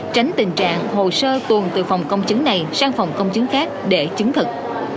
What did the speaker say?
tránh tình trạng hồ sơ tuần từ phòng công chứng này sang phòng công chứng khác để chứng thực